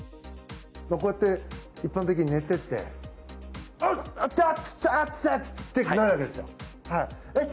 こうやって一般的に寝ててあっ、痛い！ってなるわけですよ。